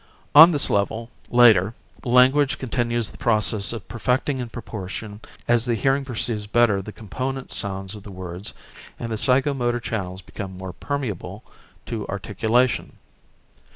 On this level, later, language continues the process of perfecting in proportion as the hearing perceives better the component sounds of the words and the psycho motor channels become more permeable to articulation.